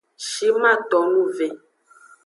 Shiman tonu ve.